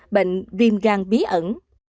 bệnh viêm gan bí ẩn